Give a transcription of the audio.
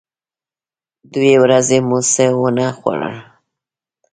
دوې ورځې مو څه و نه خوړل.